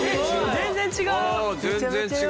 全然違う。